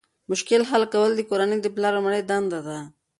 مشکل حل کول د کورنۍ د پلار لومړنۍ دنده ده.